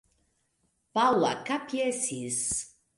Paŭla kapjesis.